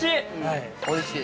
◆おいしい！